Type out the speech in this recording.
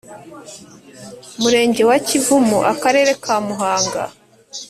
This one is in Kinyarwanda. Murenge wa Kivumu Akarere ka Muhanga